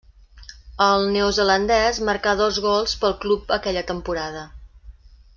El neozelandès marcà dos gols pel club aquella temporada.